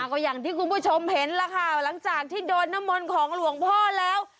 ก็อย่างที่คุณผู้ชมเห็นล่ะค่ะหลังจากที่โดนน้ำมนต์ของหลวงพ่อแล้ว